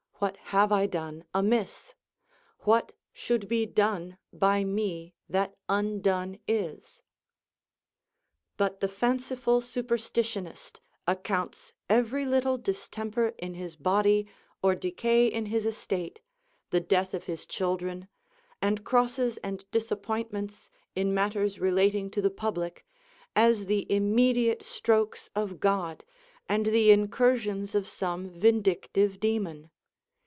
What have I done amiss ? ΛVhat should be done by me that undone is ?* But the fanciful superstitionist accounts every little dis temper in his body or decay in his estate, the death of his children, and crosses and disappointments in matters relat ing to the public, as the immediate strokes of God and the incursions of some vindictive daemon.